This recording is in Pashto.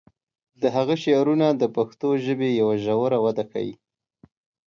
د هغه شعرونه د پښتو ژبې یوه ژوره وده ښیي.